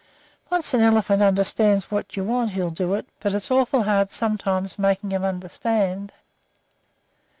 Once an elephant understands what you want he'll do it, but it's awful hard sometimes making 'em understand."